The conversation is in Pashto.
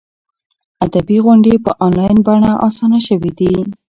ادبي غونډې په انلاین بڼه اسانه شوي دي.